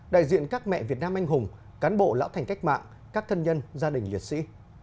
đại diện các mẹ việt nam anh hùng cán bộ lão thành cách mạng các thân nhân gia đình liệt sĩ